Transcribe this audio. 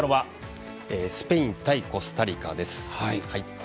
スペイン対コスタリカです。